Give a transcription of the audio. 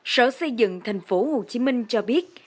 sở xây dựng thành phố hồ chí minh cho biết